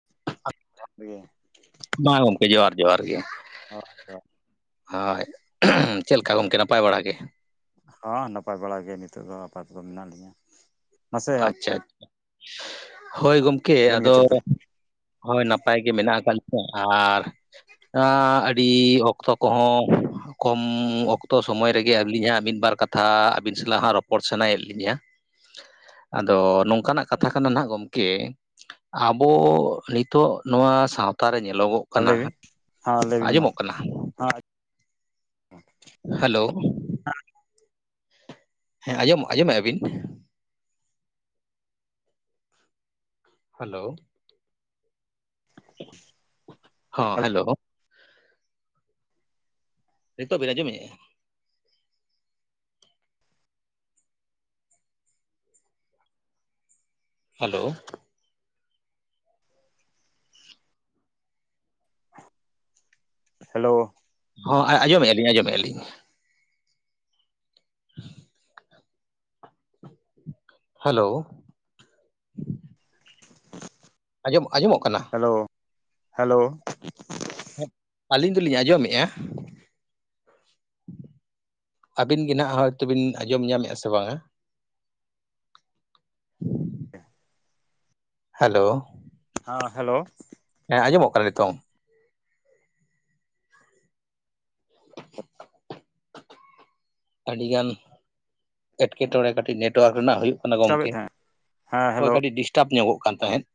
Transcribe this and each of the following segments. [unintelligible] ᱢᱟ ᱜᱚᱢᱠᱮ ᱡᱚᱦᱟᱨ ᱡᱚᱦᱟᱨ ᱜᱮ᱾ ᱦᱚᱭ ᱦᱚᱭ ᱦᱳᱭ ᱪᱮᱫ ᱞᱮᱠᱟ ᱜᱚᱢᱠᱮ ᱱᱟᱯᱟᱭ ᱵᱟᱲᱟ ᱜᱮ? ᱦᱚᱸ ᱱᱟᱯᱟᱭ ᱵᱟᱲᱟ ᱜᱮ ᱱᱤᱛᱚᱜ ᱫᱚ ᱟᱯᱟᱛ ᱫᱚ ᱢᱮᱱᱟᱜ ᱞᱤᱧᱟᱹ᱾ ᱢᱟᱥᱮ ᱟᱪᱪᱷᱟ ᱟᱪᱪᱷᱟ ᱦᱳᱭ ᱜᱚᱢᱠᱮ ᱟᱹᱵᱤᱱ ᱜᱮ ᱟᱫᱚ᱾ ᱪᱮᱫ ᱦᱳᱭ ᱱᱟᱯᱟᱭ ᱜᱮ ᱢᱮᱱᱟᱜ ᱟᱠᱟᱫ ᱞᱤᱧᱟ᱾ ᱟᱨ ᱟ ᱟᱹᱰᱤ ᱚᱠᱛᱚ ᱠᱚᱦᱚᱸ ᱠᱚᱢ ᱚᱠᱛᱚ ᱥᱚᱢᱚᱭ ᱨᱮᱜᱮ ᱟᱹᱞᱤᱧ ᱦᱟᱸᱜ ᱢᱤᱫ ᱵᱟᱨ ᱠᱟᱛᱷᱟ ᱟᱹᱵᱤᱱ ᱥᱟᱞᱟᱜ ᱦᱟᱸᱜ ᱨᱚᱯᱚᱲ ᱥᱟᱱᱟᱭᱮᱫ ᱞᱤᱧᱟᱹ᱾ ᱟᱫᱚ ᱱᱚᱝᱠᱟᱱᱟᱜ ᱠᱟᱛᱷᱟ ᱠᱟᱱᱟ ᱱᱟᱜ ᱜᱚᱝᱠᱮ, ᱟᱵᱚ ᱱᱤᱛᱳᱜ ᱱᱚᱣᱟ ᱥᱟᱶᱛᱟ ᱨᱮ ᱧᱮᱞᱚᱜᱚᱜ ᱠᱟᱱᱟ ᱞᱟᱹᱭᱵᱤᱱ ᱦᱮᱸ ᱞᱟᱹᱭᱵᱤᱱ ᱢᱟ ᱟᱸᱡᱚᱢᱚᱜ ᱠᱟᱱᱟ ᱦᱮᱸ ᱦᱮᱞᱳ ᱦᱮᱸ ᱟᱸᱡᱚᱢ ᱟᱸᱡᱚᱢᱚᱜᱼᱟ ᱵᱤᱱ ᱦᱮᱞᱳ ᱦᱚᱸ ᱦᱮᱞᱳ ᱱᱤᱛᱚᱜ ᱵᱤᱱ ᱟᱸᱡᱚᱢᱮᱜᱼᱟ? ᱦᱮᱞᱳ ᱦᱮᱞᱳ, ᱦᱚᱸ ᱟᱸᱡᱚᱢᱮᱼᱟ ᱞᱤᱧ ᱟᱸᱡᱚᱢᱮᱼᱟ ᱞᱤᱧ ᱾ [inaudible] ᱦᱮᱞᱳ [unintelligible] ᱟᱡᱚᱢ ᱟᱡᱚᱢᱚᱜ ᱠᱟᱱᱟ? ᱦᱮᱞᱳ ᱦᱮᱞᱳ, ᱟᱹᱞᱤᱧ ᱫᱚᱞᱤᱧ ᱟᱸᱡᱚᱢᱮᱼᱟ ᱾ ᱟᱹᱵᱤᱱ ᱜᱮ ᱱᱟᱜᱽ ᱦᱚᱭᱛᱚ ᱵᱤᱱ ᱟᱡᱚᱢ ᱧᱟᱢᱮᱜᱼᱟ ᱥᱮ ᱵᱟᱝᱼᱟ? [inaudible] ᱦᱮᱞᱳ ᱦᱟᱸ ᱦᱮᱞᱳ ᱦᱮᱸ ᱟᱡᱚᱢᱚᱜ ᱠᱟ ᱱᱤᱛᱚᱝ᱾ [inaudible] ᱟᱹᱰᱤ ᱜᱟᱱ ᱮᱴᱠᱮ ᱴᱚᱬᱮ ᱠᱟᱹᱴᱤᱡ ᱱᱮᱴᱣᱟᱨᱠ ᱨᱮᱱᱟᱜ ᱦᱩᱭᱩᱜ ᱠᱟᱱᱟ ᱰᱤᱥᱴᱟᱵᱮᱫ ᱜᱚᱝᱠᱮ ᱛᱟᱦᱮᱸᱫ ᱦᱮᱸ ᱾ ᱦᱳᱭ ᱦᱮᱞᱳ ᱠᱟᱹᱴᱤᱡ ᱰᱤᱥᱴᱟᱵᱽ ᱧᱚᱜᱚᱜ ᱠᱟᱱ ᱛᱟᱦᱮᱸᱫ ᱾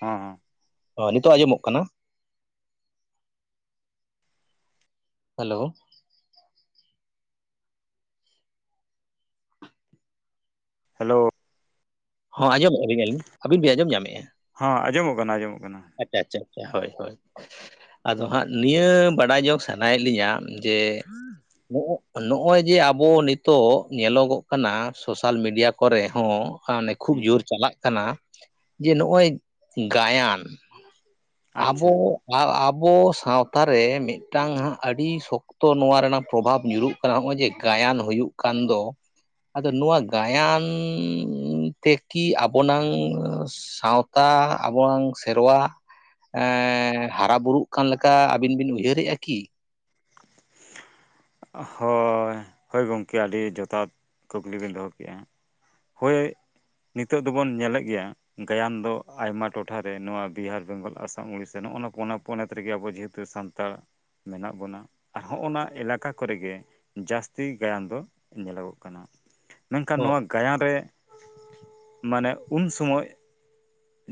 ᱦᱮᱸ ᱦᱮᱸ, ᱚ ᱱᱤᱛᱚᱜ ᱟᱸᱡᱚᱢᱚᱜ ᱠᱟᱱᱟ ᱾ ᱦᱮᱞᱳ, ᱦᱮᱞᱳ, ᱦᱚᱸ ᱟᱡᱚᱢᱮᱼᱟ ᱟᱹᱞᱤᱧ ᱟᱹᱵᱤᱱ ᱵᱤᱱ ᱟᱸᱡᱚᱢ ᱧᱟᱢᱮᱼᱟ? ᱦᱚᱸ ᱟᱸᱡᱚᱢᱚᱜ ᱠᱟᱱᱟ ᱟᱸᱡᱚᱢᱚᱜ ᱠᱟᱱᱟ ᱾ ᱟᱪᱪᱷᱟ ᱟᱪᱪᱷᱟ, ᱦᱳᱭ ᱦᱳᱭ, ᱟᱫᱚ ᱦᱟᱸᱜ ᱱᱤᱭᱟᱹ ᱵᱟᱰᱟᱭ ᱡᱚᱝ ᱥᱟᱱᱟᱭᱮᱫ ᱞᱤᱧᱟ, ᱡᱮ ᱱᱚᱜᱼᱚᱭ ᱡᱮ ᱟᱵᱚ ᱱᱤᱛᱚᱜ ᱧᱮᱞᱚᱜᱚᱜ ᱠᱟᱱᱟ, ᱥᱳᱥᱟᱞ ᱢᱤᱰᱤᱭᱟ ᱠᱚᱨᱮ ᱦᱚᱸ ᱠᱷᱩᱵ ᱦᱩᱸ ᱡᱳᱨ ᱪᱟᱞᱟᱜ ᱠᱟᱱᱟ ᱡᱮ ᱱᱚᱜᱼᱚᱭ ᱜᱟᱭᱟᱱ ᱾ ᱟᱪᱪᱷᱟ ᱟᱵᱚ ᱟᱵᱚ ᱥᱟᱶᱛᱟ ᱨᱮ ᱢᱤᱫᱴᱟᱝ ᱦᱟᱸᱜ, ᱟᱹᱰᱤ ᱥᱚᱠᱛᱚ ᱱᱚᱣᱟ ᱨᱮᱱᱟᱜ ᱯᱨᱚᱵᱷᱟᱵᱽ ᱧᱩᱨᱩᱜ ᱦᱚᱜᱼᱚᱭ ᱡᱮ ᱜᱟᱭᱟᱱ ᱦᱩᱭᱩᱜ ᱠᱟᱱ ᱫᱚ ᱾ ᱟᱫᱚ ᱱᱚᱣᱟ ᱜᱟᱭᱟᱱᱻ ᱛᱮᱠᱤ ᱟᱵᱚᱱᱟᱝ ᱥᱟᱶᱛᱟ, ᱟᱵᱱᱟᱝ ᱛᱮᱨᱣᱟ ᱮᱸᱻ ᱦᱟᱨᱟ ᱵᱩᱨᱩᱜ ᱠᱟᱱ ᱞᱮᱠᱟ ᱟᱹᱵᱤᱱ ᱵᱤᱱ ᱩᱭᱦᱟᱹᱨ ᱮᱼᱟᱠᱤ? [inaudible] ᱦᱳᱻᱭ, ᱦᱳᱭ ᱜᱚᱢᱠᱮ ᱟᱹᱰᱤ ᱡᱚᱛᱷᱟᱛ ᱠᱩᱠᱞᱤ ᱵᱮᱱ ᱫᱚᱦᱚ ᱠᱮᱜᱼᱟ᱾ ᱦᱳᱭ ᱱᱤᱛᱚᱜ ᱫᱚᱵᱚᱱ ᱧᱮᱞᱮᱫ ᱜᱮᱭᱟ ᱾ ᱜᱟᱭᱟᱱ ᱫᱚ ᱟᱭᱢᱟ ᱴᱚᱴᱷᱟᱨᱮ ᱱᱚᱣᱟ ᱵᱤᱦᱟᱨ, ᱵᱮᱝᱜᱚᱞ, ᱟᱥᱟᱢ, ᱩᱲᱤᱥᱥᱟ, ᱱᱚᱜᱼᱚ ᱱᱚᱣᱟ ᱯᱚᱱᱚᱼᱯᱚᱱᱚᱛ ᱨᱮᱜᱮ ᱟᱵᱚ ᱡᱟᱹᱛ ᱛᱮ ᱥᱟᱱᱛᱟᱲ ᱢᱮᱱᱟᱜ ᱵᱚᱱᱟ ᱾ ᱦᱚᱸᱜᱼᱱᱟ ᱮᱞᱟᱠᱟ ᱠᱚᱨᱮᱜᱮ, ᱡᱟᱹᱥᱛᱤ ᱜᱟᱭᱟᱱ ᱫᱚ ᱧᱮᱞᱚᱜᱚᱜ ᱠᱟᱱᱟ ᱾ ᱢᱮᱱᱠᱷᱟᱱ ᱱᱚᱣᱟ ᱜᱟᱭᱟᱱ ᱨᱮ ᱢᱟᱱᱮ ᱩᱱ ᱥᱚᱢᱚᱭ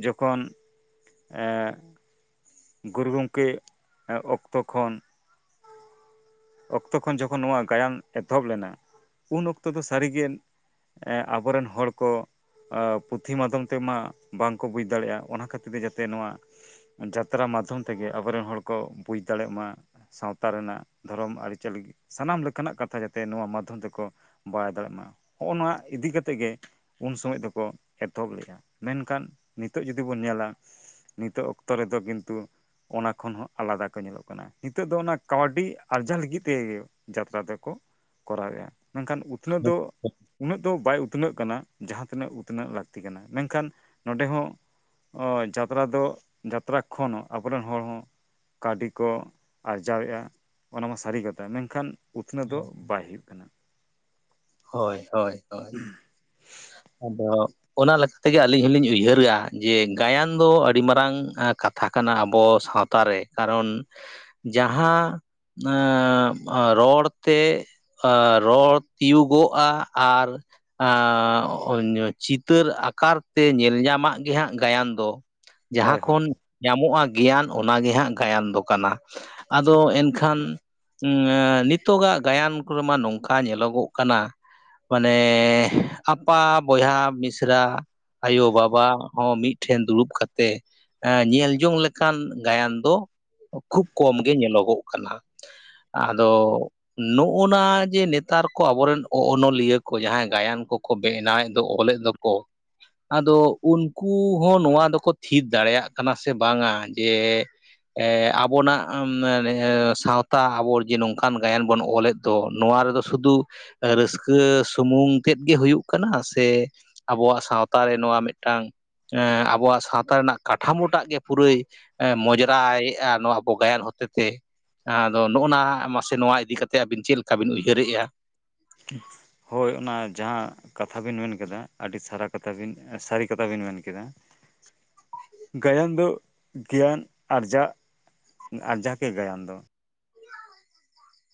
ᱡᱚᱠᱷᱚᱱ ᱮᱸᱻ ᱜᱩᱨᱩ ᱜᱚᱢᱠᱮ ᱚᱠᱛᱚ ᱠᱷᱚᱱ ᱚᱠᱛᱚ ᱠᱷᱚᱱ ᱡᱚᱠᱷᱚᱱ ᱱᱚᱣᱟ ᱜᱟᱭᱟᱱ ᱮᱛᱚᱦᱚᱵ ᱞᱮᱱᱟ, ᱩᱱ ᱚᱠᱛᱚ ᱫᱚ ᱥᱟᱹᱨᱤᱜᱮ ᱮᱸ ᱟᱵᱚᱨᱮᱱ ᱦᱚᱲ ᱠᱚ ᱟᱻ ᱯᱩᱛᱷᱤ ᱢᱟᱫᱽᱫᱷᱚᱢ ᱛᱮᱢᱟ ᱵᱟᱝ ᱠᱚ ᱵᱩᱡᱽ ᱫᱟᱲᱮᱭᱟᱜᱼᱟ, ᱚᱱᱟ ᱠᱷᱟᱹᱛᱤᱨ ᱛᱮ ᱡᱟᱛᱮ ᱱᱚᱣᱟ ᱡᱟᱛᱨᱟ ᱢᱟᱫᱽᱷᱚᱢ ᱛᱮᱜᱮ ᱟᱵᱚᱨᱮᱱ ᱦᱚᱲ ᱠᱚ ᱵᱩᱡᱽ ᱫᱟᱲᱮᱜ ᱢᱟ ᱾ ᱥᱟᱶᱛᱟ ᱨᱮᱱᱟᱜ ᱫᱷᱚᱨᱚᱢ, ᱟᱹᱨᱤᱼᱪᱟᱹᱞᱤ ᱥᱟᱱᱟᱢ ᱞᱮᱠᱟᱱᱟᱜ ᱠᱟᱛᱷᱟ ᱡᱟᱛᱮ ᱱᱚᱣᱟ ᱢᱟᱫᱽᱫᱷᱚᱢ ᱛᱮᱠᱚ ᱵᱟᱭ ᱫᱟᱲᱮᱜ ᱢᱟ, ᱦᱚᱜᱼᱚ ᱱᱚᱣᱟ ᱤᱫᱤ ᱠᱟᱛᱮᱜ ᱜᱮ ᱩᱱ ᱥᱚᱢᱚᱭ ᱫᱚᱠᱚ ᱮᱛᱚᱦᱚᱵ ᱞᱮᱜᱼᱟ, ᱢᱮᱱᱠᱷᱟᱱ ᱱᱤᱛᱚᱜ ᱡᱩᱫᱤ ᱵᱚᱱ ᱧᱮᱞᱟ ᱱᱤᱛᱚᱜ ᱚᱠᱛᱚ ᱨᱮᱫᱚ ᱠᱤᱱᱛᱩ ᱚᱱᱟ ᱠᱷᱚᱱ ᱦᱚᱸ ᱟᱞᱟᱫᱟ ᱠᱚ ᱧᱮᱞᱚᱜ ᱠᱟᱱᱟ ᱾ ᱱᱤᱛᱚᱜ ᱫᱚ ᱚᱱᱟ ᱠᱟᱹᱣᱰᱤ ᱟᱨᱡᱟᱣ ᱞᱟᱹᱜᱤᱫ ᱛᱮ ᱡᱟᱛᱨᱟ ᱫᱚᱠᱚ ᱠᱚᱨᱟᱣᱮᱜᱼᱟ ᱢᱮᱱᱠᱷᱟᱱ ᱩᱛᱱᱟᱹᱣ ᱫᱚ ᱩᱱᱟᱹᱜ ᱫᱚ ᱵᱟᱭ ᱩᱛᱱᱟᱹᱜ ᱠᱟᱱᱟ ᱡᱟᱦᱟᱸ ᱛᱤᱱᱟᱹᱜ ᱩᱛᱱᱟᱹᱜ ᱞᱟᱹᱠᱛᱤ ᱠᱟᱱᱟ ᱢᱮᱱᱠᱷᱟᱱ ᱱᱚᱰᱮ ᱦᱚᱸ ᱚ ᱡᱟᱛᱨᱟ ᱫᱚ ᱡᱟᱛᱨᱟ ᱠᱷᱚᱱ ᱟᱵᱚ ᱨᱤᱱ ᱦᱚᱲ ᱦᱚᱸ ᱠᱟᱹᱣᱰᱤ ᱠᱚ ᱟᱨᱡᱟᱣᱮᱫᱼᱟ ᱚᱱᱟ ᱢᱟ ᱥᱟᱹᱨᱤ ᱠᱟᱛᱷᱟ ᱢᱮᱱᱠᱷᱟᱱ ᱩᱛᱱᱟᱹᱣ ᱫᱚ ᱵᱟᱭ ᱦᱩᱭᱩᱜ ᱠᱟᱱᱟ᱾ ᱦᱳᱭ ᱦᱳᱭ ᱦᱳᱭ ᱟᱫᱚ ᱚᱱᱟ ᱞᱮᱠᱟ ᱛᱮᱜᱮ ᱟᱹᱞᱤᱧ ᱦᱚᱸᱞᱤᱧ ᱩᱭᱦᱟᱹᱨᱟ ᱡᱮ ᱜᱟᱭᱟᱱ ᱫᱚ ᱟᱹᱰᱤ ᱢᱟᱨᱟᱝ ᱠᱟᱛᱷᱟ ᱠᱟᱱᱟ ᱟᱵᱚ ᱥᱟᱶ ᱛᱟᱨ ᱨᱮ ᱠᱟᱨᱚᱱ ᱡᱟᱦᱟᱸ ᱨᱚᱲ ᱛᱮ ᱨᱚᱲ ᱛᱤᱭᱩᱜᱚᱜᱼᱟ, ᱟᱨ ᱪᱤᱛᱟᱹᱨ ᱟᱠᱟᱨ ᱛᱮ ᱧᱮᱞ ᱧᱟᱢᱟᱜ ᱜᱮᱦᱟᱸᱜ ᱜᱟᱭᱟᱱ ᱫᱚ᱾ ᱦᱳᱭ ᱡᱟᱦᱟᱸ ᱦᱳᱭ ᱠᱷᱚᱱ ᱦᱳᱭ ᱧᱟᱢᱚᱜᱼᱟ ᱜᱮᱭᱟᱱ ᱚᱱᱟᱜᱮ ᱦᱟᱸᱜ ᱜᱟᱭᱟᱱ ᱫᱚ ᱠᱟᱱᱟ᱾ ᱟᱫᱚ ᱮᱱᱠᱷᱟᱱ ᱱᱤᱛ ᱱᱤᱛᱚᱜ ᱜᱟᱜ ᱜᱟᱭᱟᱱ ᱠᱚ ᱨᱮᱢᱟ ᱱᱚᱝᱠᱟ ᱧᱮᱞᱚᱜᱚᱜ ᱠᱟᱱᱟ᱾ ᱢᱟᱱᱮ, ᱟᱯᱟ, ᱵᱚᱭᱦᱟ, ᱢᱤᱥᱨᱟ ᱟᱭᱚ ᱵᱟᱵᱟ ᱦᱚᱸ ᱢᱤᱫ ᱴᱷᱮᱱ ᱫᱩᱲᱩᱵ ᱠᱟᱛᱮᱜ᱾ ᱮᱸ ᱧᱮᱞ ᱡᱚᱝ ᱞᱮᱠᱟᱱ ᱜᱟᱭᱟᱱ ᱫᱚ ᱠᱷᱩᱵ ᱠᱚᱢ ᱜᱮ ᱧᱮᱞᱚᱜᱚᱜ ᱠᱟᱱᱟ᱾ ᱟᱫᱚ ᱱᱚᱜᱼᱚ ᱱᱟ ᱡᱮ ᱱᱮᱛᱟᱨ ᱠᱚ ᱟᱵᱚᱨᱤᱱ ᱚᱱᱚᱞᱤᱭᱟᱹ ᱠᱚ ᱡᱟᱦᱟᱸᱭ ᱜᱟᱭᱟᱱ ᱠᱚᱠᱚ ᱵᱮᱱᱟᱣᱮᱫ ᱫᱚ ᱚᱞᱮᱫ ᱫᱚ ᱠᱚ ᱟᱫᱚ ᱩᱱᱠᱩ ᱦᱚᱸ ᱱᱚᱣᱟ ᱫᱚᱠᱚ ᱛᱷᱤᱛ ᱫᱟᱲᱮᱭᱟᱜ ᱠᱟᱱᱟ ᱥᱮ ᱵᱟᱝᱟ ᱡᱮ ᱟᱵᱚᱱᱟᱜ ᱥᱟᱶᱛᱟ ᱟᱵᱚ ᱡᱮ ᱱᱚᱝᱠᱟᱱ ᱜᱟᱭᱟᱱ ᱵᱚᱱ ᱚᱞᱮᱫ ᱫᱚ ᱱᱚᱣᱟ ᱨᱮᱫᱚ ᱥᱩᱫᱩ ᱨᱟᱹᱥᱠᱟᱹ ᱥᱩᱢᱩᱝ ᱛᱮᱫ ᱜᱮ ᱦᱩᱭᱩᱜ ᱠᱟᱱᱟ ᱥᱮ ᱟᱵᱚᱣᱟᱜ ᱥᱟᱶᱛᱟ ᱨᱮ ᱱᱚᱣᱟ ᱢᱤᱫᱴᱟᱝ ᱟᱵᱚᱣᱟᱜ ᱥᱟᱶᱛᱟ ᱨᱮᱱᱟᱜ ᱠᱟᱴᱷᱟᱢᱚᱴᱟᱜ ᱜᱮ ᱯᱩᱨᱟᱹᱭ ᱢᱚᱡᱽᱨᱟᱭ ᱱᱚᱣᱟ ᱟᱵᱚ ᱜᱟᱭᱟᱱ ᱦᱚᱛᱮ ᱛᱮ ᱟᱫᱚ ᱱᱚᱜᱼᱚ ᱱᱟᱥ ᱥᱮ ᱱᱚᱣᱟ ᱤᱫᱤ ᱠᱟᱛᱮ ᱟᱹᱵᱤᱱ ᱪᱮᱫ ᱞᱮᱠᱟ ᱵᱤᱱ ᱩᱭᱦᱟᱹᱨ ᱮᱜᱼᱟ᱾ [inaudible] ᱦᱚᱭ ᱚᱱᱟ ᱡᱟᱦᱟᱸ ᱠᱟᱛᱷᱟ ᱵᱤᱱ ᱢᱮᱱ ᱠᱮᱫᱟ ᱟᱹᱰᱤ ᱥᱟᱨᱟ ᱠᱟᱛᱷᱟ ᱵᱤᱱ ᱥᱟᱹᱨᱤ ᱠᱟᱛᱷᱟ ᱵᱤᱱ ᱢᱮᱱ ᱠᱮᱫᱟ᱾ ᱜᱟᱭᱟᱱ ᱫᱚ ᱜᱮᱭᱟᱱ ᱟᱨᱡᱟᱜ ᱟᱨᱡᱟᱣ ᱜᱮ ᱜᱟᱭᱟᱱ ᱫᱚ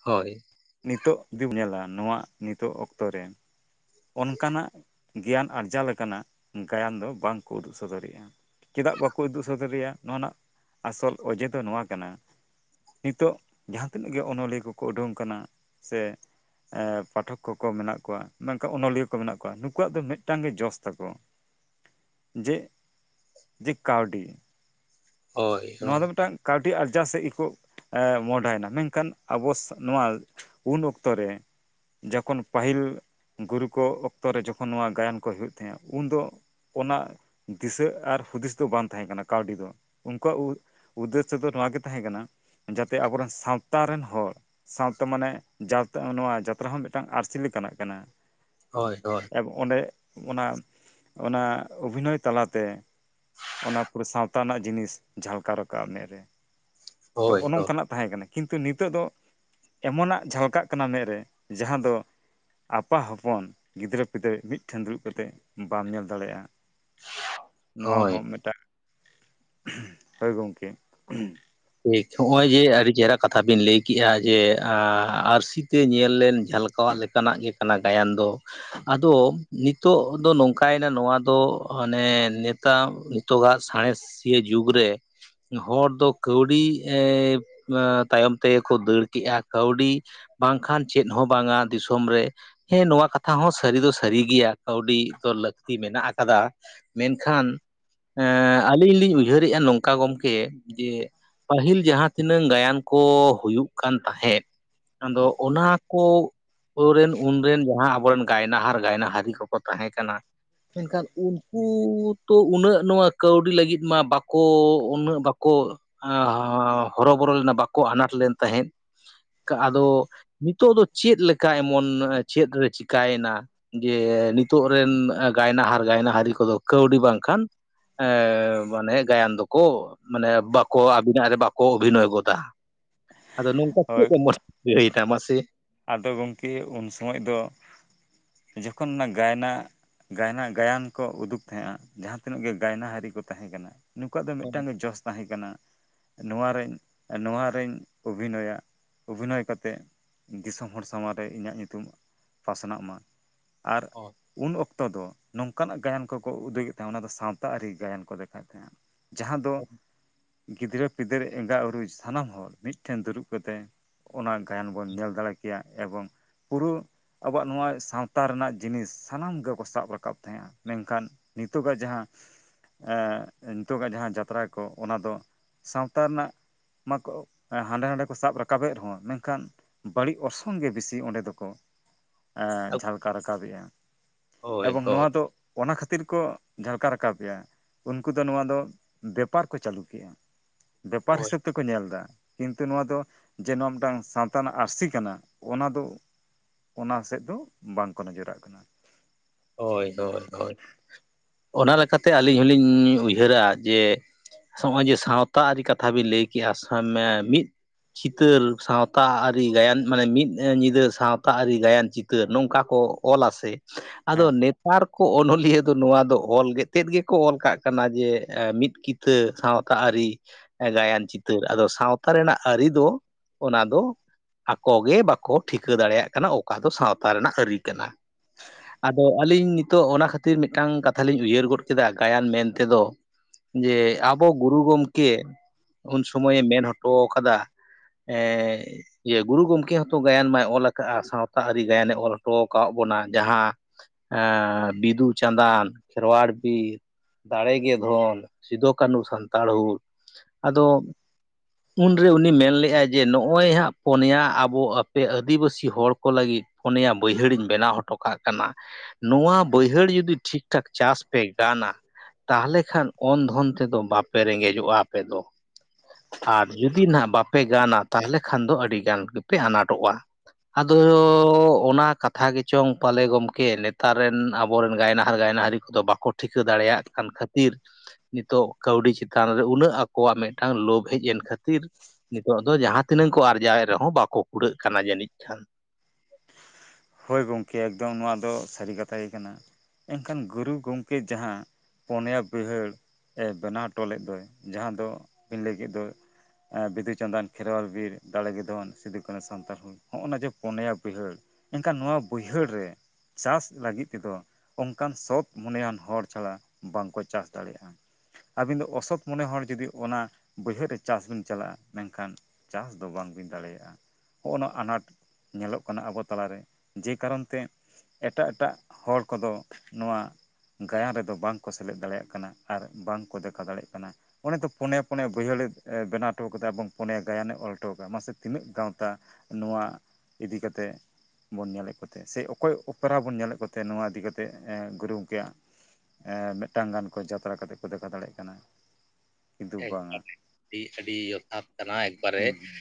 ᱦᱳᱭ ᱱᱤᱛᱚᱜ ᱡᱩᱫᱤᱢ ᱧᱮᱞᱟ ᱱᱚᱣᱟ ᱱᱤᱛᱚᱜ ᱚᱠᱛᱚ ᱨᱮ ᱚᱱᱠᱟᱱᱟᱜ ᱜᱮᱭᱟᱱ ᱟᱨᱡᱟᱣ ᱞᱮᱠᱟᱱᱟᱜ ᱜᱟᱭᱟᱱ ᱫᱚ ᱵᱟᱝᱠᱚ ᱩᱫᱩᱜ ᱥᱚᱫᱚ ᱨᱮᱜᱼᱟ᱾ ᱪᱮᱫᱟᱜ ᱵᱟᱠᱚ ᱩᱫᱩᱜ ᱥᱚᱫᱚ ᱨᱮᱭᱟ ᱱᱚᱣᱟ ᱨᱮᱱᱟᱜ ᱟᱥᱚᱞ ᱚᱡᱮ ᱫᱚ ᱱᱚᱣᱟ ᱠᱟᱱᱟ ᱱᱤᱛᱚᱜ ᱡᱟᱦᱟᱸ ᱛᱤᱱᱟᱹᱜ ᱜᱮ ᱚᱱᱚᱞᱤᱭᱟᱹ ᱠᱚᱠᱚ ᱩᱰᱩᱝ ᱠᱟᱱᱟ᱾ ᱥᱮ ᱮᱸ ᱯᱟᱴᱷᱚᱠ ᱠᱚ ᱠᱚ ᱢᱮᱱᱟᱜ ᱠᱚᱣᱟ᱾ ᱢᱮᱱᱠᱷᱟᱱ ᱠᱟ ᱚᱱᱚᱞᱤᱭᱟᱹ ᱠᱚ ᱢᱮᱱᱟᱜ ᱠᱚᱣᱟ ᱱᱩᱠᱩᱣᱟᱜ ᱫᱚ ᱢᱤᱫᱴᱟᱝ ᱜᱮ ᱡᱚᱥ ᱛᱟᱠᱚ ᱡᱮ ᱡᱮ ᱠᱟᱹᱣᱰᱤ ᱦᱳᱭ ᱱᱚᱣᱟ ᱦᱳᱭ ᱫᱚ ᱢᱤᱫᱴᱟᱝ ᱠᱟᱹᱣᱰᱤ ᱟᱨᱡᱟᱣ ᱥᱮᱫ ᱜᱮᱠᱚ ᱮᱸ ᱢᱚᱦᱰᱟᱭᱮᱱᱟ ᱢᱮᱱᱠᱷᱟᱱ ᱟᱵᱚ ᱱᱚᱣᱟ ᱩᱱ ᱚᱠᱛᱚ ᱨᱮ ᱡᱚᱠᱷᱚᱱ ᱯᱟᱹᱦᱤᱞ ᱜᱩᱨᱩ ᱠᱚ ᱚᱠᱛᱚ ᱨᱮ ᱡᱚᱠᱷᱚᱱ ᱱᱚᱣᱟ ᱜᱟᱭᱟᱱ ᱠᱚ ᱦᱳᱭᱳᱜ ᱛᱟᱦᱮᱸᱜᱼᱟ ᱩᱱᱫᱚ ᱚᱱᱟ ᱫᱤᱥᱟᱹ ᱟᱨ ᱦᱩᱫᱤᱥ ᱫᱚ ᱵᱟᱝ ᱛᱟᱦᱮᱸ ᱠᱟᱱᱟ ᱠᱟᱹᱣᱰᱤ ᱫᱚ᱾ ᱩᱱᱠᱩᱣᱟᱜ ᱩᱫᱽᱫᱮ ᱥᱚ ᱫᱚ ᱱᱚᱣᱟᱜ ᱜᱮ ᱛᱟᱦᱮᱸ ᱠᱟᱱᱟ, ᱡᱟᱛᱮ ᱟᱵᱚᱨᱤᱱ ᱥᱟᱶᱛᱟ ᱨᱤᱱ ᱦᱚᱲ ᱥᱟᱶᱛᱮ ᱢᱟᱱᱮ ᱡᱟ ᱱᱚᱣᱟ ᱡᱟᱛᱨᱟ ᱦᱚᱸ ᱢᱤᱫᱴᱟᱱ ᱟᱹᱨᱥᱤ ᱞᱮᱠᱟᱱᱟᱜ ᱠᱟᱱᱟ᱾ ᱦᱚᱭ ᱦᱚᱭ ᱮᱵ ᱚᱸᱰᱮ ᱚᱱᱟ ᱚᱱᱟ ᱚᱵᱷᱤᱱᱚᱭ ᱛᱟᱞᱟᱛᱮ ᱚᱱᱟ ᱯᱩᱨᱮ ᱥᱟᱶᱛᱟ ᱨᱮᱱᱟᱜ ᱡᱤᱱᱤᱥ ᱡᱷᱟᱞᱠᱟᱣ ᱨᱟᱠᱟᱵ ᱢᱮᱜ ᱨᱮ ᱛᱚ ᱦᱳᱭ ᱚᱱᱮ ᱚᱱᱠᱟᱱᱟᱜ ᱛᱟᱦᱮᱸ ᱠᱟᱱᱟ ᱠᱤᱱᱛᱩ ᱱᱤᱛᱚᱜ ᱫᱚ ᱮᱢᱚᱱᱟᱜ ᱡᱷᱟᱞᱠᱟᱜ ᱠᱟᱱᱟ ᱢᱮᱫ ᱨᱮ ᱡᱟᱦᱟᱸ ᱫᱚ ᱟᱯᱟ ᱦᱚᱯᱚᱱ ᱜᱤᱫᱽᱨᱟᱹ ᱯᱤᱫᱽᱨᱟᱹ ᱢᱤᱫ ᱴᱷᱮᱱ ᱫᱩᱲᱩᱵ ᱠᱟᱛᱮᱫ ᱵᱟᱢ ᱧᱮᱞ ᱫᱟᱲᱮᱭᱟᱜᱼᱟ᱾ ᱱᱚᱣᱟ ᱦᱳᱭ ᱦᱚᱸ ᱢᱤᱫᱴᱟᱝ ᱦᱚᱭ ᱜᱚᱝᱠᱮ ᱴᱷᱤᱠ ᱱᱚᱜᱼᱚᱭ ᱡᱮ ᱟᱹᱰᱤ ᱪᱮᱦᱨᱟ ᱠᱟᱛᱷᱟ ᱵᱤᱱ ᱞᱟᱹᱭ ᱠᱮᱫᱼᱟ ᱡᱮ, ᱟᱹᱨᱥᱤ ᱛᱮ ᱧᱮᱞ ᱞᱮᱱ ᱡᱷᱟᱞᱠᱟᱣᱟᱜ ᱞᱮᱠᱟ ᱞᱮᱠᱟᱱᱟᱜ ᱜᱮ ᱠᱟᱱᱟ ᱜᱟᱭᱟᱱ ᱫᱚ, ᱟᱫᱚ ᱱᱤᱛᱚᱜ ᱫᱚ ᱱᱚᱝᱠᱟ ᱭᱮᱱᱟ ᱱᱚᱣᱟ ᱫᱚ ᱢᱟᱱᱮ ᱱᱮᱛᱟ ᱱᱤᱛᱚᱜᱟᱜ ᱥᱟᱬᱮᱸᱥ ᱥᱤᱭᱟᱹ ᱡᱩᱜᱽ ᱨᱮ ᱦᱚᱲ ᱫᱚ ᱠᱟᱹᱣᱰᱤ ᱮᱸ ᱵᱟᱸ ᱛᱟᱭᱚᱢ ᱛᱮ ᱠᱚ ᱫᱟᱹᱲ ᱠᱮᱜᱼᱟ ᱠᱟᱹᱣᱰᱤ ᱵᱟᱝᱠᱷᱟᱱ ᱪᱮᱫ ᱦᱚᱸ ᱵᱟᱝᱟ ᱫᱤᱥᱚᱢ ᱨᱮ ᱦᱮᱸ ᱱᱚᱶᱟ ᱠᱟᱛᱷᱟ ᱦᱚᱸ ᱥᱟᱹᱨᱤ ᱫᱚ ᱥᱟᱹᱨᱤ ᱜᱮᱭᱟ ᱠᱟᱹᱣᱰᱤ ᱫᱚ ᱞᱟᱹᱠᱛᱤ ᱢᱮᱱᱟᱜ ᱠᱟᱫᱟ ᱢᱮᱱᱠᱷᱟᱱ ᱮᱸ ᱟᱹᱞᱤᱧ ᱞᱤᱧ ᱩᱭᱦᱟᱹᱨᱮᱜᱼᱟ ᱱᱚᱝᱠᱟ ᱜᱚᱢᱠᱮ ᱡᱮ ᱯᱟᱹᱦᱤᱞ ᱡᱟᱦᱟᱸ ᱛᱤᱱᱟᱹᱝ ᱜᱟᱭᱟᱱ ᱠᱚ ᱦᱩᱭᱩᱜ ᱠᱟᱱ ᱛᱟᱦᱮᱸᱫ ᱟᱫᱚ ᱚᱱᱟ ᱠᱚ ᱟᱵᱚᱨᱮᱱ ᱩᱱ ᱨᱮᱱ ᱡᱟᱦᱟᱸ ᱟᱵᱚᱨᱮᱱ ᱜᱟᱭᱱᱟᱦᱟᱨ ᱜᱟᱭᱱᱟᱦᱟᱨᱤ ᱠᱚᱠᱚ ᱛᱟᱦᱮᱸ ᱠᱟᱱᱟ ᱢᱮᱱᱠᱷᱟᱱ ᱩᱱᱠᱩ ᱛᱚ ᱩᱱᱟᱹᱜ ᱱᱚᱣᱟ ᱠᱟᱹᱣᱰᱤ ᱞᱟᱹᱜᱤᱫ ᱢᱟ ᱵᱟᱠᱚ ᱩᱱᱟᱹᱜ ᱵᱟᱠᱚ ᱦᱟᱻ ᱦᱚᱨᱚᱵᱚᱨᱚ ᱞᱮᱱᱟ ᱵᱟᱠᱚ ᱟᱱᱟᱴ ᱞᱮᱱ ᱛᱟᱦᱮᱸᱫ ᱟᱫᱚ ᱱᱤᱛᱚᱜ ᱫᱚ ᱪᱮᱫ ᱞᱮᱠᱟ ᱮᱢᱚᱱ ᱪᱮᱫ ᱨᱮ ᱪᱮᱠᱟᱭᱮᱱᱟ ᱡᱮ ᱱᱤᱛᱚᱜ ᱨᱮᱱ ᱜᱟᱭᱱᱟᱦᱟᱨ ᱜᱟᱭᱱᱟᱦᱟᱹᱨᱤ ᱠᱚᱫᱚ ᱠᱟᱹᱣᱰᱤ ᱵᱟᱝᱠᱷᱟᱱ ᱮᱸ ᱢᱟᱱᱮ ᱜᱟᱭᱟᱱ ᱫᱚᱠᱚ ᱢᱟᱱᱮ ᱵᱟᱠ ᱠᱚ ᱟᱵᱤᱱᱟᱜ ᱨᱮ ᱵᱟᱠᱚ ᱚᱵᱷᱤᱱᱚᱭ ᱜᱚᱫᱟ ᱟᱫᱚ ᱱᱚᱝᱠᱟ ᱪᱮᱫ ᱦᱳᱭ ᱠᱚ [unintelligible] ᱠᱟᱹᱭ ᱫᱟ ᱢᱟᱥᱮ ᱟᱫᱚ ᱜᱚᱢᱠᱮ ᱩᱱᱥᱚᱢᱚᱭ ᱫᱚ ᱡᱚᱠᱷᱚᱱ ᱚᱱᱟ ᱜᱟᱭᱱᱟ ᱜᱟᱭᱱᱟ ᱜᱟᱭᱟᱱ ᱠᱚ ᱩᱫᱩᱜ ᱛᱟᱦᱮᱸᱜᱼᱟ ᱡᱟᱦᱟᱸ ᱛᱤᱱᱟᱹᱜ ᱜᱮ ᱜᱟᱭᱱᱟ ᱦᱟᱹᱨᱤ ᱠᱚ ᱛᱟᱦᱮᱸ ᱠᱟᱱᱟ ᱱᱩᱠᱩᱣᱟᱜ ᱫᱚ ᱢᱤᱫᱴᱟᱝ ᱜᱮ ᱡᱚᱥ ᱛᱟᱦᱮᱸ ᱠᱟᱱᱟ ᱱᱚᱣᱟ ᱨᱮᱧ ᱱᱚᱣᱟ ᱨᱮᱧ ᱚᱵᱷᱤᱱᱚᱭᱟ ᱚᱵᱷᱤᱱᱚᱭ ᱠᱟᱛᱮᱫ ᱫᱤᱥᱚᱢ ᱦᱚᱲ ᱥᱟᱢᱟᱝ ᱨᱮ ᱤᱧᱟᱹᱜ ᱧᱩᱛᱩᱢ ᱯᱟᱥᱱᱟᱜ ᱢᱟ ᱟᱨ ᱩᱱ ᱚᱠ ᱛᱚ ᱫᱚ ᱱᱚᱝᱠᱟᱱᱟᱜ ᱜᱟᱭᱟᱱ ᱠᱚᱠᱚ ᱩᱫᱩᱜᱮᱫ ᱛᱟᱦᱮᱸᱜ ᱚᱱᱟ ᱫᱚ ᱥᱟᱶᱛᱟ ᱟᱹᱨᱤ ᱜᱟᱭᱟᱱ ᱠᱚ ᱫᱮᱠᱷᱟᱣᱮᱫ ᱛᱟᱦᱮᱸᱼᱟ ᱡᱟᱦᱟᱸ ᱫᱚ ᱜᱤᱫᱽᱨᱟᱹ ᱯᱤᱫᱽᱨᱟᱹ ᱮᱸᱜᱟ ᱩᱨᱩ ᱥᱟᱱᱟᱢ ᱦᱚᱲ ᱢᱤᱫᱴᱷᱮᱱ ᱫᱩᱲᱩᱵ ᱠᱟᱛᱮᱜ ᱚᱱᱟ ᱜᱟᱭᱟᱱ ᱵᱚᱱ ᱧᱮᱞ ᱫᱟᱲᱮ ᱠᱮᱭᱟ ᱮᱵᱚᱝ ᱯᱩᱨᱟᱹ ᱟᱵᱚᱣᱟᱜ ᱱᱚᱣᱟ ᱥᱟᱶᱛᱟ ᱨᱮᱱᱟᱜ ᱡᱤᱱᱤᱥ ᱥᱟᱱᱟᱢ ᱜᱮᱠᱚ ᱥᱟᱵ ᱨᱟᱠᱟᱵ ᱛᱟᱦᱮᱸᱜᱼᱟ ᱢᱮᱱᱠᱷᱟᱱ ᱱᱤᱛᱚᱜᱟᱜ ᱡᱟᱦᱟᱸ ᱮᱸ ᱱᱤᱛᱚᱜᱟᱜ ᱡᱟᱦᱟᱸ ᱡᱟᱛᱨᱟ ᱠᱚ ᱚᱱᱟ ᱫᱚ ᱥᱟᱶᱛᱟ ᱨᱮᱱᱟᱜ ᱢᱟᱠᱚ ᱦᱟᱸᱰᱮ ᱱᱟᱰᱮ ᱠᱚ ᱥᱟᱵ ᱨᱟᱠᱟᱵᱮᱫ ᱨᱮᱦᱚᱸ ᱢᱮᱱᱠᱷᱟᱱ ᱵᱟᱹᱲᱤᱡ ᱚᱨᱥᱚᱝ ᱜᱮ ᱵᱤᱥᱤ ᱚᱸᱰᱮ ᱫᱚᱠᱚ ᱟᱻ ᱡᱷᱟᱞᱠᱟ ᱨᱟᱠᱟᱵᱮᱜᱼᱟ ᱦᱳᱭ ᱦᱳᱭ ᱮᱵᱚᱝ ᱱᱚᱣᱟ ᱦᱳᱭ ᱫᱚ ᱚᱱᱟ ᱠᱷᱟᱹᱛᱤᱨ ᱠᱚ ᱡᱷᱟᱞᱠᱟᱣ ᱨᱟᱠᱟᱵᱮᱜᱼᱟ ᱩᱱᱠᱩ ᱫᱚ ᱱᱚᱣᱟ ᱫᱚ ᱵᱮᱯᱟᱨ ᱠᱚ ᱪᱟᱹᱞᱩ ᱠᱮᱜᱼᱟ ᱵᱮᱯᱟᱨ ᱦᱳᱭ ᱦᱤᱥᱟᱹᱵ ᱛᱮᱠᱚ ᱧᱮᱞ ᱫᱟ ᱠᱤᱱᱛᱩ ᱱᱚᱣᱟ ᱫᱚ ᱡᱮ ᱱᱚᱣᱟ ᱢᱤᱫᱴᱟᱝ ᱥᱟᱶᱛᱟ ᱨᱮᱱᱟᱜ ᱟᱹᱨᱥᱤ ᱠᱟᱱᱟ ᱚᱱᱟ ᱫᱚ ᱚᱱᱟ ᱥᱮᱫ ᱫᱚ ᱵᱟᱝ ᱠᱚ ᱱᱚᱡᱚᱨᱟᱜ ᱠᱟᱱᱟ ᱦᱳᱭ ᱦᱳᱭ ᱦᱳᱭ ᱚᱱᱟ ᱞᱮᱠᱟᱛᱮ ᱟᱹᱞᱤᱧ ᱦᱚᱞᱤᱧ ᱩᱭᱦᱟᱹᱨᱟ ᱡᱮ ᱥᱚᱜᱼᱚᱭ ᱡᱮ ᱥᱟᱶᱛᱟ ᱟᱹᱨᱤ ᱠᱟᱛᱷᱟ ᱵᱤᱱ ᱞᱟᱹᱭ ᱠᱮᱜᱼᱟ ᱥᱟᱵ ᱢᱮ ᱢᱤᱫ ᱪᱤᱛᱟᱹᱨ ᱥᱟᱶᱛᱟ ᱟᱹᱨᱤ ᱜᱟᱭᱟᱱ ᱢᱟᱱᱮ ᱢᱤᱫ ᱧᱤᱫᱟᱹ ᱥᱟᱶᱛᱟ ᱟᱹᱨᱤ ᱜᱟᱭᱟᱱ ᱪᱤᱛ ᱤᱛᱟᱹ ᱱᱚᱝᱠᱟ ᱠᱚ ᱚᱞᱟ ᱥᱮ ᱟᱫᱚ ᱦᱮᱸ ᱱᱮᱛ ᱛᱟᱨ ᱠᱚ ᱚᱱᱚᱞᱤᱭᱟᱹ ᱫᱚ ᱱᱚᱣᱟ ᱫᱚ ᱚᱞ ᱜᱮᱛᱮᱫ ᱜᱮᱠᱚ ᱚᱞ ᱠᱟᱜ ᱠᱟᱱᱟ ᱡᱮ ᱢᱤᱫ ᱠᱤ ᱤᱛᱟᱹ ᱥᱟᱶᱛᱟ ᱟᱹᱨᱤ ᱜᱟᱭᱟᱱ ᱪᱤᱛᱟᱹᱨ ᱟᱫᱚ ᱥᱟᱶᱛᱟ ᱨᱮᱱᱟᱜ ᱟᱹᱨᱤ ᱫᱚ ᱚᱱᱟ ᱫᱚ ᱟᱠᱚ ᱜᱮ ᱵᱟᱠᱚ ᱴᱷᱤᱠᱟᱹ ᱫᱟᱲᱮᱭᱟᱜ ᱠᱟᱱᱟ ᱚᱠᱟ ᱫᱚ ᱥᱟᱶᱛᱟ ᱨᱮᱱᱟᱜ ᱟᱹᱨᱤ ᱠᱟᱱᱟ᱾ [unintelligible] ᱟᱫᱚ ᱟᱹᱞᱤᱧ ᱱᱤᱛᱚᱜ ᱚᱱᱟ ᱠᱷᱟᱹᱛᱤᱨ ᱢᱤᱫᱴᱟᱝ ᱠᱟᱛᱷᱟ ᱞᱤᱧ ᱩᱭᱦᱟᱹᱨ ᱜᱚᱫ ᱠᱮᱫᱟ ᱜᱟᱭᱟᱱ ᱢᱮᱱ ᱛᱮᱫᱚ ᱡᱮ ᱟᱵᱚ ᱜᱩᱨᱩ ᱜᱚᱢᱠᱮ ᱩᱱ ᱥᱚᱢᱚᱭᱮ ᱢᱮᱱ ᱦᱚᱴᱚ ᱠᱟᱫᱟ ᱮᱻ ᱡᱮ ᱜᱩᱨᱩ ᱜᱚᱢᱠᱮ ᱦᱚᱸᱛᱚ ᱜᱟᱭᱟᱱ ᱢᱟᱭ ᱚᱞ ᱟᱠᱟᱫᱼᱟ ᱥᱟᱶᱛᱟ ᱟᱹᱨᱤ ᱜᱟᱭᱟᱱᱮ ᱚᱞ ᱦᱚᱴᱚ ᱟᱠᱟᱣᱟᱫ ᱵᱚᱱᱟ ᱡᱟᱦᱟᱸ ᱟᱻ ᱵᱸᱤᱫᱩ ᱪᱟᱸᱫᱟᱱ ᱠᱷᱮᱨᱣᱟᱲ ᱵᱤᱨ ᱫᱟᱲᱮᱜᱮ ᱫᱷᱚᱱ ᱥᱤᱫᱩ ᱠᱟᱹᱱᱩ ᱥᱟᱱᱛᱟᱲ ᱦᱩ ᱟᱫᱚ ᱩᱱᱨᱮ ᱩᱱᱤ ᱢᱮᱱ ᱞᱮᱜᱼᱟᱭ ᱡᱮ ᱱᱚᱜᱼᱚᱭ ᱦᱟᱸᱜ ᱯᱚᱱᱭᱟ ᱟᱵᱚ ᱟᱯᱮ ᱟᱹᱫᱤᱵᱟᱹᱥᱤ ᱦᱚᱲ ᱠᱚ ᱞᱟᱹᱜᱤᱫ ᱯᱩᱱᱭᱟ ᱵᱟᱹᱭᱦᱟᱹᱲᱤᱧ ᱵᱮᱱᱟᱣ ᱦᱚᱴᱚ ᱠᱟᱜ ᱠᱟᱱᱟ ᱱᱚᱣᱟ ᱵᱟᱹᱭᱦᱟᱹᱲ ᱡᱩᱫᱤ ᱴᱷᱤᱠ ᱴᱷᱟᱠ ᱪᱟᱥ ᱯᱮ ᱜᱟᱱᱟ ᱛᱟᱦᱞᱮ ᱠᱷᱟᱱ ᱚᱱ ᱫᱷᱚᱱ ᱛᱮᱫᱚ ᱵᱟᱯᱮ ᱨᱮᱸᱜᱮᱡᱚᱜᱼᱟ ᱟᱯᱮ ᱫᱚ ᱟᱨ ᱡᱩᱫᱤ ᱱᱟᱜ ᱵᱟᱯᱮ ᱜᱟᱱᱟ ᱛᱟᱦᱚᱞᱮ ᱠᱷᱟᱱ ᱫᱚ ᱟᱹᱰᱤᱜᱟᱱ ᱜᱮᱯᱮ ᱟᱱᱟᱴᱚᱜᱼᱟ ᱟᱫᱚ ᱚᱱᱟ ᱠᱟᱛᱷᱟ ᱜᱮᱪᱚᱝ ᱯᱟᱞᱮ ᱜᱚᱢᱠᱮ ᱱᱮᱛᱟᱨ ᱨᱮᱱ ᱟᱵᱚᱨᱮᱱ ᱜᱟᱭᱱᱟ ᱟᱨ ᱜᱟᱭᱱᱟᱦᱟᱨᱤ ᱠᱚᱫᱚ ᱵᱟᱠᱚ ᱴᱷᱤᱠᱟᱹ ᱫᱟᱲᱮᱭᱟᱜ ᱠᱟᱱ ᱠᱷᱟᱹᱛᱤᱨ, ᱱᱤᱛᱚᱜ ᱠᱟᱹᱣᱰᱤ ᱪᱮᱛᱟᱱ ᱨᱮ ᱩᱱᱟᱹᱜ ᱟᱠᱚᱣᱟᱜ ᱢᱤᱫᱴᱟᱝ ᱞᱳᱵᱷ ᱦᱮᱡ ᱮᱱ ᱠᱷᱟᱹᱛᱤᱨ ᱱᱤᱛᱚᱜ ᱫᱚ ᱡᱟᱦᱟᱸ ᱛᱤᱱᱟᱹᱝ ᱠᱚ ᱟᱨᱡᱟᱣᱮᱫ ᱨᱮᱦᱚᱸ ᱵᱟᱠᱚ ᱠᱩᱲᱟᱹᱜ ᱠᱟᱱᱟ ᱡᱟᱹᱱᱤᱡ ᱠᱷᱟᱱ᱾ ᱦᱳᱭ ᱜᱚᱢᱠᱮ ᱮᱠᱫᱚᱢ ᱱᱚᱣᱟ ᱫᱚ ᱥᱟᱹᱨᱤ ᱠᱟᱛᱷᱟ ᱜᱮ ᱠᱟᱱᱟ ᱮᱱᱠᱷᱟᱱ ᱜᱩᱨᱩ ᱜᱚᱢᱠᱮ ᱡᱟᱦᱟᱸ ᱯᱚᱱᱭᱟ ᱵᱟᱹᱭᱦᱟᱹᱲ ᱮ ᱵᱮᱱᱟᱣ ᱦᱚᱴᱚ ᱞᱮᱫ ᱫᱚ ᱡᱟᱦᱟᱸ ᱫᱚ ᱨᱮᱱ ᱞᱟᱹᱭ ᱠᱮᱫ ᱫᱚ ᱵᱤᱫᱩ ᱪᱟᱸᱫᱟᱱ ᱠᱷᱮᱨᱣᱟᱞ ᱵᱤᱨ ᱫᱟᱲᱮ ᱜᱮ ᱫᱷᱚᱱ ᱥᱤᱫᱩ, ᱠᱟᱹᱱᱩ, ᱥᱟᱱᱛᱟᱲ ᱦᱩᱞ, ᱦᱚᱜᱼ ᱱᱟ ᱡᱮ ᱯᱚᱱᱭᱟ ᱵᱟᱹᱭᱦᱟᱹᱲ ᱮᱱᱠᱷᱟᱱ ᱱᱚᱣᱟ ᱵᱟᱹᱭᱦᱟᱹᱲ ᱨᱮ ᱪᱟᱥ ᱞᱟᱹᱜᱤᱫ ᱛᱮᱫᱚ ᱚᱱᱠᱟᱱ ᱥᱚᱛ ᱢᱚᱱᱮᱭᱟᱱ ᱦᱚᱲ ᱪᱷᱟᱲᱟ ᱵᱟᱝᱠᱚ ᱪᱟᱥ ᱫᱟᱲᱮᱭᱟᱜ-ᱟ᱾ ᱟᱹᱵᱤᱱ ᱫᱚ ᱚᱥᱚᱛ ᱢᱚᱱᱮ ᱦᱚᱲ ᱡᱩᱫᱤ ᱚᱱᱟ ᱵᱟᱹᱭᱦᱟᱹᱲ ᱨᱮ ᱪᱟᱥ ᱵᱤᱱ ᱪᱟᱞᱟᱜ-ᱟ ᱢᱮᱱᱠᱷᱟᱱ ᱪᱟᱥ ᱫᱚ ᱵᱟᱝ ᱦᱩᱭ ᱫᱟᱲᱮᱭᱟᱜ-ᱟ ᱦᱚᱜᱚ ᱱᱚᱣᱟ ᱟᱱᱟᱴ ᱧᱮᱞᱚᱜ ᱠᱟᱱᱟ ᱟᱵᱚ ᱛᱟᱞᱟᱨᱮ᱾ ᱡᱮ ᱠᱟᱨᱚᱱ ᱛᱮ ᱮᱴᱟᱜ ᱮᱴᱟᱜ ᱦᱚᱲ ᱠᱚᱫᱚ ᱱᱚᱣᱟ ᱜᱟᱭᱟᱱ ᱨᱮᱫᱚ ᱵᱟᱝ ᱠᱚ ᱥᱮᱞᱮᱫ ᱫᱟᱲᱮᱭᱟᱜ ᱠᱟᱱᱟ ᱟᱨ ᱵᱟᱝ ᱠᱚ ᱫᱮᱠᱷᱟ ᱫᱟᱲᱮᱭᱟᱜ ᱠᱟᱱᱟ ᱚᱱᱮ ᱛᱚ ᱯᱚᱱᱮᱭᱟ ᱯᱚᱱᱮᱭᱟ ᱵᱟᱹᱭᱦᱟᱹᱲᱮ ᱵᱮᱱᱟᱣᱴᱚ ᱟᱠᱟ ᱠᱟᱫᱟ ᱮᱵᱚᱝ ᱯᱚᱱᱭᱟ ᱜᱟᱭᱟᱱᱮ ᱚᱞ ᱦᱚᱴᱚ ᱟᱠᱟᱫᱟ ᱢᱟᱥᱮ ᱛᱤᱱᱟᱹᱜ ᱜᱟᱶᱛᱟ ᱱᱚᱣᱟ ᱤᱫᱤ ᱠᱟᱛᱮᱜ ᱵᱚᱱ ᱧᱮᱞᱮᱫ ᱠᱚᱛᱮ ᱥᱮ ᱚᱠᱚᱭ ᱚᱯᱮᱨᱟ ᱵᱚᱱ ᱧᱮᱞᱮᱫ ᱠᱚᱛᱮ ᱱᱚᱣᱟ ᱤᱫᱤᱠᱟᱛᱮᱫ ᱜᱩᱨᱩ ᱜᱚᱝᱠᱮᱭᱟᱜ ᱢᱤᱫᱴᱟᱝ ᱜᱟᱱ ᱠᱚ ᱡᱟᱛᱨᱟ ᱠᱟᱛᱮᱜ ᱠᱚ ᱫᱮᱠᱷᱟ ᱫᱟᱲᱮᱭᱟᱜ ᱠᱟᱱᱟ᱾ ᱠᱤᱱᱛᱩ ᱟᱨ ᱵᱟᱝᱟ ᱟᱹᱰᱤ ᱡᱚᱛᱷᱟᱛ ᱠᱟᱱᱟ ᱮᱠᱵᱟᱨᱮ ᱦᱩᱸ ᱦᱩᱸ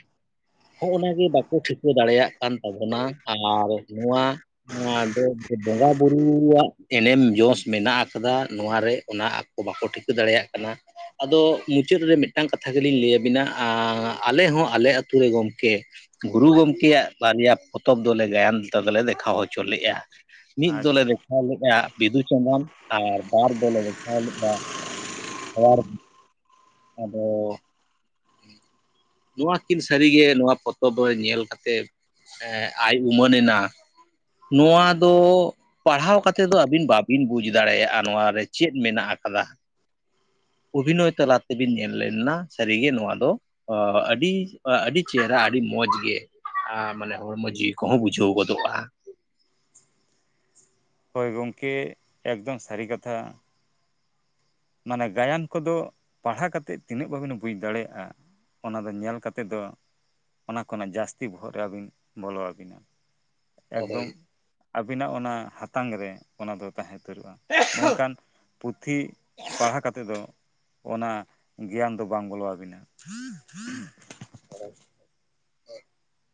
ᱦᱚᱜ-ᱚ ᱱᱟ ᱜᱮ ᱵᱟᱠᱚ ᱴᱷᱤᱠᱟᱹ ᱫᱟᱲᱮᱭᱟᱜ ᱠᱟᱱ ᱛᱟᱵᱚᱱᱟ ᱟᱨ ᱱᱚᱣᱟ ᱫᱚ ᱵᱚᱸᱜᱟ ᱵᱩᱨᱩᱣᱟᱜ ᱮᱱᱮᱢ ᱡᱚᱥ ᱢᱮᱱᱟᱜ ᱠᱟᱫᱟ ᱱᱚᱣᱟᱨ ᱨᱮ ᱚᱱᱟ ᱵᱟᱠᱚ ᱴᱷᱤᱠᱟᱹ ᱫᱟᱲᱮᱭᱟᱜ ᱠᱟᱱᱟ ᱟᱫᱚ ᱢᱩᱪᱟᱹᱫ ᱨᱮ ᱢᱤᱫᱴᱟᱝ ᱠᱟᱛᱷᱟ ᱜᱮᱞᱤᱧ ᱞᱟᱹᱭ ᱟᱵᱤᱱᱟ ᱟᱻ ᱟᱞᱮ ᱦᱚᱸ ᱟᱞᱮ ᱟᱛᱳ ᱨᱮ ᱜᱚᱢᱠᱮ ᱜᱩᱨᱩ ᱜᱚᱢᱠᱮᱭᱟᱜ ᱵᱟᱨᱭᱟ ᱯᱚᱛᱚᱵ ᱫᱚᱞᱮ ᱜᱟᱭᱟᱱ [unintelligible] ᱫᱚᱞᱮ ᱫᱮᱠᱷᱟᱣ ᱦᱚᱪᱚ ᱞᱮ-ᱟ᱾ ᱢᱤᱫ ᱫᱚᱞᱮ ᱟᱪᱪᱷᱟ ᱫᱮᱠᱷᱟᱣ ᱞᱮᱫ-ᱟ ᱵᱤᱫᱩ ᱪᱟᱸᱫᱟᱱ ᱟᱨ ᱵᱟᱨ ᱫᱚᱞᱮᱷᱟᱣ ᱞᱮᱫᱟ ᱟᱫᱚ? ᱱᱚᱣᱟ ᱠᱤᱱ ᱥᱟᱹᱨᱤ ᱜᱮ ᱱᱚᱣᱟ ᱯᱚᱛᱚᱵ ᱨᱮ ᱧᱮᱞ ᱠᱟᱛᱮᱫ᱾ ᱟᱭ ᱩᱢᱟᱹᱱ ᱮᱱᱟ ᱱᱚᱣᱟ ᱫᱚ ᱯᱟᱲᱦᱟᱣ ᱠᱟᱛᱮ ᱫᱚ ᱟᱹᱵᱤᱱ ᱵᱟᱵᱤᱱ ᱵᱩᱡ ᱫᱟᱲᱮᱭᱟᱜᱼᱟ ᱱᱚᱣᱟ ᱨᱮ ᱪᱮᱫ ᱢᱮᱱᱟᱜ ᱠᱟᱫᱟ ᱚᱵᱷᱤᱱᱚᱭ ᱛᱟᱞᱟ ᱛᱮᱵᱤᱱ ᱧᱮᱞ ᱞᱮᱱᱟ ᱥᱮ ᱨᱮᱜᱮ ᱱᱚᱣᱟ ᱫᱚ ᱚ ᱟᱹᱰᱤ ᱟᱹᱰᱤ ᱪᱮᱦᱨᱟ ᱟᱹᱰᱤ ᱢᱚᱸᱡᱽ ᱜᱮ ᱟᱨ ᱢᱟᱱᱮ ᱢᱟᱹᱡᱷᱤ ᱠᱚᱦᱚᱸ ᱵᱩᱡᱷᱟᱹᱣ ᱜᱚᱫᱚᱜᱼᱟ᱾ ᱦᱳᱭ ᱜᱚᱢᱠᱮ ᱮᱠᱫᱚᱢ ᱥᱟᱹᱨᱤ ᱠᱟᱛᱷᱟ ᱢᱟᱱᱮ ᱜᱟᱭᱟᱱ ᱠᱚᱫᱚ ᱯᱟᱲᱦᱟᱣ ᱠᱟᱛᱮᱫ ᱛᱤᱱᱟᱹᱜ ᱵᱟᱵᱮᱱ ᱵᱩᱡᱽ ᱫᱟᱲᱮᱭᱟᱜᱼᱟ ᱚᱱᱟ ᱫᱚ ᱧᱮᱞ ᱠᱟᱛᱮ ᱫᱚ ᱚᱱᱟ ᱠᱷᱚᱱᱟᱜ ᱡᱟᱹᱥᱛᱤ ᱵᱚᱦᱚᱜ ᱨᱮ ᱟᱹᱵᱤᱱ ᱵᱚᱞᱚ ᱟᱹᱵᱤᱱᱟ ᱦᱳᱭ ᱮᱠᱫᱚᱢ ᱟᱹᱵᱤᱱᱟᱜ ᱚᱱᱟ ᱦᱟᱛᱟᱝ ᱨᱮ ᱚᱱᱟ ᱫᱚ ᱛᱟᱦᱮᱸ ᱩᱛᱟᱹᱨᱚᱜᱼᱟ ᱾ ᱢᱮᱱᱠᱷᱟᱱ ᱯᱩᱛᱷᱤ ᱯᱟᱲᱦᱟᱣ ᱠᱟᱛᱮ ᱫᱚ ᱚᱱᱟ ᱜᱮᱭᱟᱱ ᱫᱚ ᱵᱟᱝ ᱵᱚᱞᱚ ᱟᱹᱵᱤᱱᱟ᱾ ᱦ [inaudible]